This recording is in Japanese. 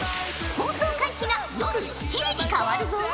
放送開始が夜７時に変わるぞ。